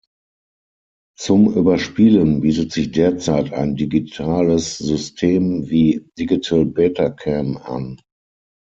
Zum Überspielen bietet sich derzeit ein digitales System wie Digital Betacam an.